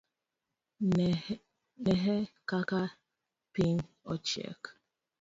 Nehe kaka piny ochiek.